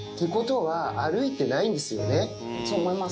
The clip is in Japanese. そう思います。